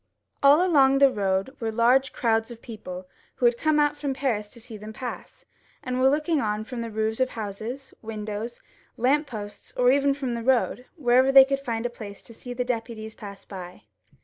All along the road were thick crowds of people who had come out from Paris to see them pass, and were looking on from roofs of houses, windows, lamp posts, or from the road, wherever they could find a place to see the deputies pass by.